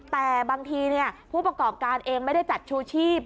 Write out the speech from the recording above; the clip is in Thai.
แต่บางทีผู้ประกอบการเองไม่ได้จัดชูชีพ